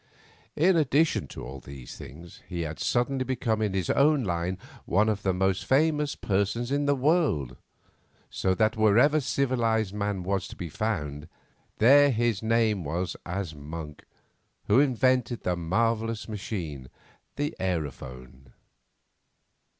In addition to all these good things he had suddenly become in his own line one of the most famous persons in the world, so that, wherever civilized man was to be found, there his name was known as "Monk, who invented that marvellous machine, the aerophone."